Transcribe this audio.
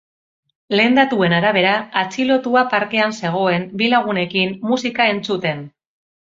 Lehen datuen arabera, atxilotua parkean zegoen bi lagunekin musika entzuten.